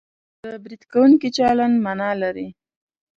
د برید کوونکي چلند مانا لري